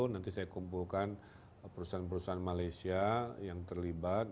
nanti saya kumpulkan perusahaan perusahaan malaysia yang terlibat